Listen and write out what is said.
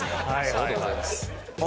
そうでございます。